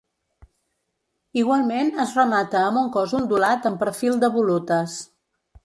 Igualment es remata amb un cos ondulat amb perfil de volutes.